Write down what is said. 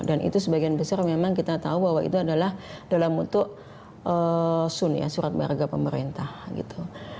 dan itu sebagian besar memang kita tahu bahwa itu adalah dalam bentuk sun ya surat barang pemerintah gitu